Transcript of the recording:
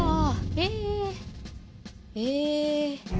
ええ。